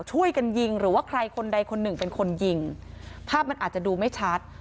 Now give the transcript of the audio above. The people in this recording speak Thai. ช่วยกันยิงหรือว่าใครคนใดคนหนึ่งเป็นคนยิงภาพมันอาจจะดูไม่ชัด